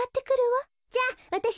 じゃあわたし